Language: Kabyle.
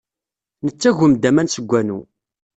Nettagem-d aman seg wanu.